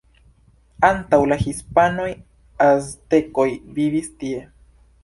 Antaŭ la hispanoj aztekoj vivis tie.